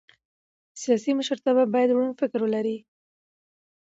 سیاسي مشرتابه باید روڼ فکر ولري